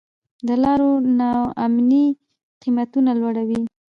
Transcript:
د لارو نا امني قیمتونه لوړوي.